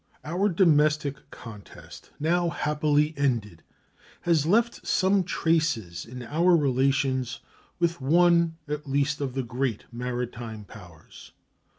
Our domestic contest, now happily ended, has left some traces in our relations with one at least of the great maritime powers.